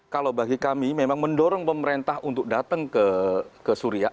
kalau bagi kami memang mendorong pemerintah untuk datang ke suria